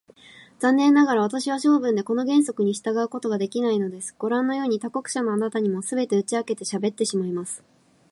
残念ながら、私は性分でこの原則に従うことができないのです。ごらんのように、他国者のあなたにも、すべて打ち明けてしゃべってしまいます。